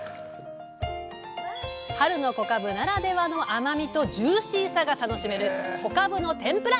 春の小かぶならではの甘みとジューシーさが楽しめる「小かぶの天ぷら」